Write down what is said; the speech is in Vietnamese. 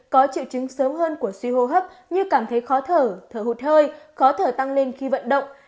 có triệu chứng sớm hơn của suy hô hấp như cảm thấy khó thở thở hụt hơi khó thở tăng lên khi vận động